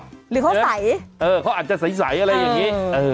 หรือเขาใสเขาอาจจะใสอะไรอย่างนี้